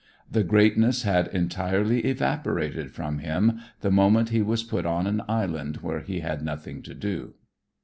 The greatness had entirely evaporated from him the moment he was put on an island where he had nothing to do."